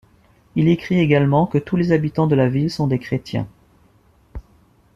Il écrit également que tous les habitants de la ville sont des chrétiens.